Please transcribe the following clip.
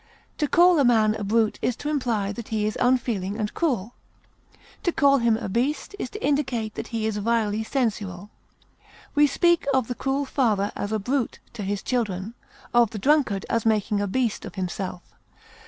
To call a man a brute is to imply that he is unfeeling and cruel; to call him a beast is to indicate that he is vilely sensual. We speak of the cruel father as a brute to his children; of the drunkard as making a beast of himself.